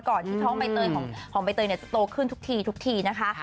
ก่อนที่ท้องใบเตยของใบเตยจะโตขึ้นทุกทีนะคะ